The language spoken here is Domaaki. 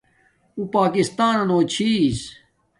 اُݸ پݳکِستݳنَنݸ چھِݵس.